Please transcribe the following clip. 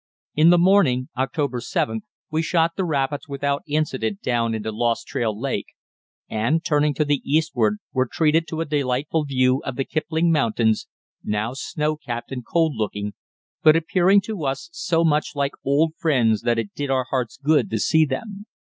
In the morning (October 7th) we shot the rapids without incident down into Lost Trail Lake, and, turning to the eastward, were treated to a delightful view of the Kipling Mountains, now snow capped and cold looking, but appearing to us so much like old friends that it did our hearts good to see them.